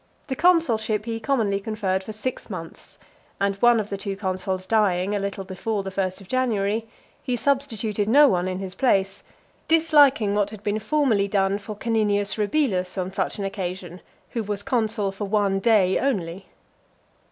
The consulship he commonly conferred for six months; and one of the two consuls dying a little before the first of January, he substituted no one in his place; disliking what had been formerly done for Caninius Rebilus on such an occasion, who was consul for one day only.